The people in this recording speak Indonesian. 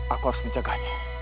aku harus menjaganya